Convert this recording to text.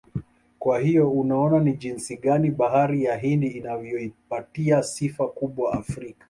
Kwa hiyo unaona ni jinsi gani bahari ya Hindi inavyoipatia sifa kubwa Afrika